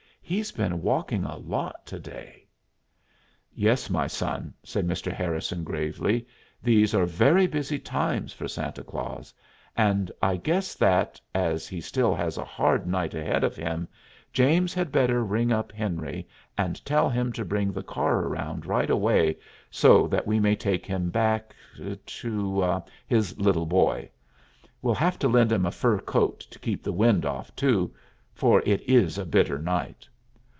"He's been walkin' a lot to day." "Yes, my son," said Mr. Harrison gravely. "These are very busy times for Santa Claus, and I guess that, as he still has a hard night ahead of him, James had better ring up Henry and tell him to bring the car around right away, so that we may take him back to his little boy. We'll have to lend him a fur coat to keep the wind off, too, for it is a bitter night."